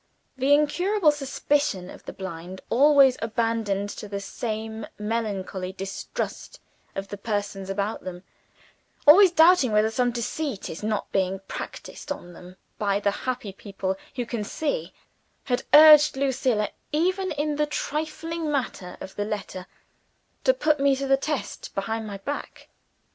The incurable suspicion of the blind always abandoned to the same melancholy distrust of the persons about them; always doubting whether some deceit is not being practiced on them by the happy people who can see had urged Lucilla, even in the trifling matter of the letter, to put me to the test, behind my back.